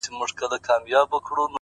o ددې سايه به ،پر تا خوره سي،